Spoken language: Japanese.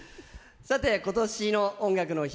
さて、今年の「音楽の日」